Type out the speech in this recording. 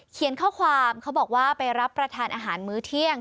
เขียนข้อความเขาบอกว่าไปรับประทานอาหารมื้อเที่ยง